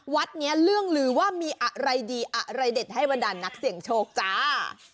วัดนี้เรื่องลือว่ามีอะไรดีอะไรเด็ดให้บรรดาลนักเสี่ยงโชคจ้า